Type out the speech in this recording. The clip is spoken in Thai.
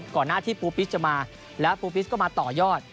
ก่อนหน้าที่ปูปิสจะมาแล้วปูปิสก็มาต่อยอด